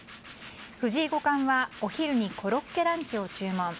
藤井五冠はお昼にコロッケランチを注文